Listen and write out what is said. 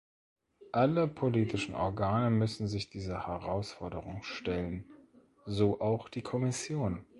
Alle politischen Organe müssen sich dieser Herausforderung stellen, so auch die Kommission.